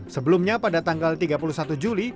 sebelumnya pada tanggal tiga puluh satu juli